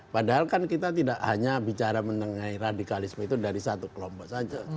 padahal kan kita tidak hanya bicara mengenai radikalisme itu dari satu kelompok saja